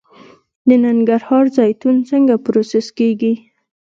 د ننګرهار زیتون څنګه پروسس کیږي؟